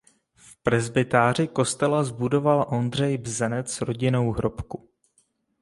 V presbytáři kostela zbudoval Ondřej Bzenec rodinnou hrobku.